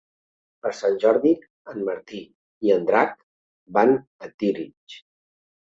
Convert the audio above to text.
Per Sant Jordi en Martí i en Drac van a Tírig.